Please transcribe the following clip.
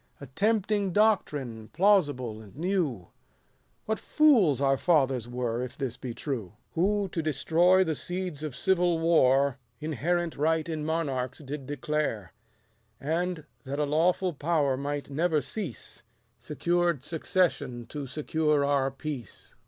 110 A tempting doctrine, plausible and new ; What fools our fathers were, if this be true ! Who, to destroy the seeds of civil war, Inherent right in monarchs did declare : And, that a lawful power might never cease, Secured succession to secure our peace.